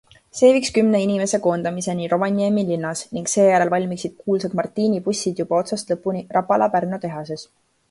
See viiks kümne inimese koondamiseni Rovaniemi linnas ning seejärel valmiksid kuulsad Marttiini pussid juba otsast lõpuni Rapala Pärnu tehases.